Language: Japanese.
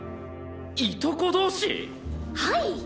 いとこ同士⁉はい！